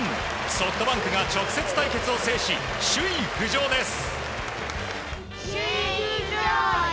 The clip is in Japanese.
ソフトバンクが直接対決を制し首位浮上です。